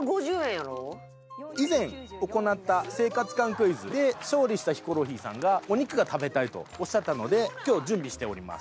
クイズで勝利したヒコロヒーさんがお肉が食べたいとおっしゃったので今日準備しております。